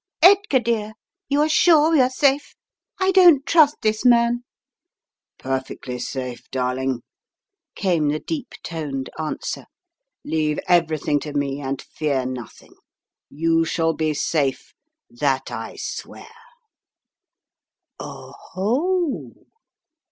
"Edgar, dear, you are sure we are safe? I don't trust this man " "Perfectly safe, darling," came the deep toned answer. "Leave everything to me and fear nothing. You shall be safe, that I swear." "Oho!"